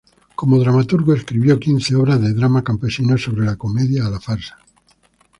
Como dramaturgo, escribió quince obras de drama campesino sobre la comedia a la farsa.